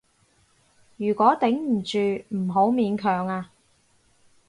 如果頂唔住，唔好勉強啊